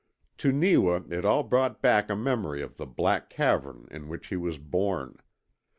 To Neewa it all brought back a memory of the black cavern in which he was born.